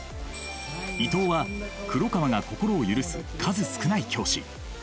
伊藤は黒川が心を許す数少ない教師。